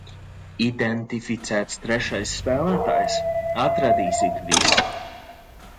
Identificēts trešais spēlētājs. Atradīs it visu.